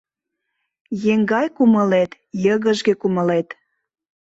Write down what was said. Еҥгай кумылет — йыгыжге кумылет.